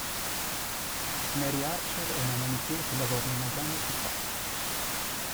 Mary Archer è una manicure che lavora in una grande città.